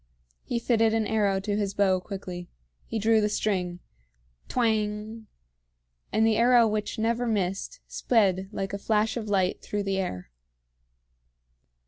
He fitted an arrow to his bow quickly. He drew the string. Twang! And the arrow which never missed sped like a flash of light through the air.